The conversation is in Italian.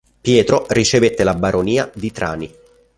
Pietro ricevette la baronia di Trani.